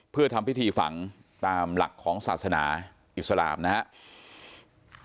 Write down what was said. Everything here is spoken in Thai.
เพื่อทำพิธีฝังตามหลักของศาสนาอิสลามนะครับ